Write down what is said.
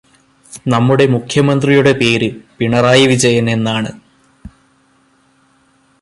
നമ്മുടെ മുഖ്യമന്ത്രിയുടെ പേര് പിണറായി വിജയൻ എന്നാണ്.